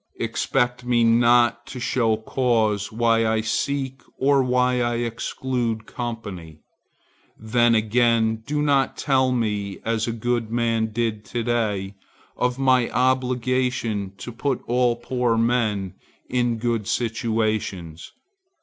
Expect me not to show cause why I seek or why I exclude company. Then again, do not tell me, as a good man did to day, of my obligation to put all poor men in good situations.